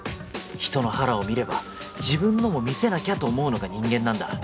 人の腹を見れば自分のも見せなきゃと思うのが人間なんだ。